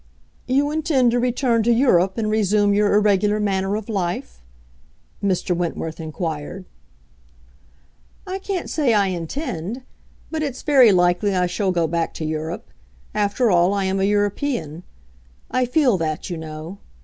"You intend to return to Europe and resume your irregular manner of life?" Mr. Wentworth inquired. "I can't say I intend. But it's very likely I shall go back to Europe. After all, I am a European. I feel that, you know.